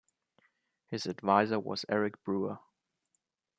His advisor was Eric Brewer.